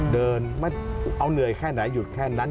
เดินไม่เอาเหนื่อยแค่ไหนหยุดแค่นั้น